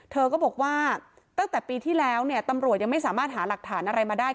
เธอก็บอกว่าตั้งแต่ปีที่แล้วเนี่ยตำรวจยังไม่สามารถหาหลักฐานอะไรมาได้